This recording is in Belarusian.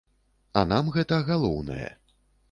А нам гэта галоўнае.